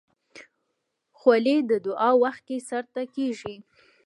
خولۍ د دعا وخت کې سر ته کېږي.